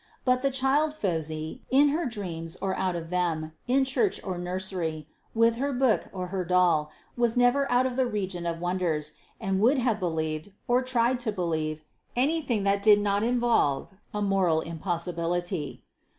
But the child Phosy, in her dreams or out of them, in church or nursery, with her book or her doll, was never out of the region of wonders, and would have believed, or tried to believe, anything that did not involve a moral impossibility.